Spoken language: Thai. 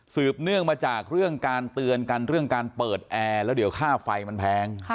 เนื่องมาจากเรื่องการเตือนกันเรื่องการเปิดแอร์แล้วเดี๋ยวค่าไฟมันแพง